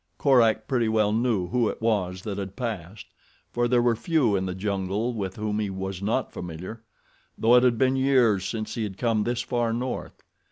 Korak pretty well knew who it was that had passed, for there were few in the great jungle with whom he was not familiar, though it had been years since he had come this far north.